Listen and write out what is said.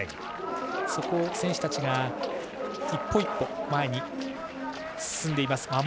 そこを選手たちが１歩１歩前に進んでいます。